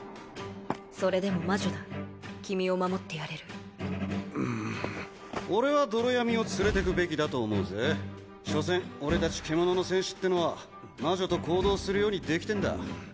それでも魔女だ君を守ってやれる俺は泥闇を連れてくべきだと思うぜ所詮俺達獣の戦士ってのは魔女と行動するようにできてんだ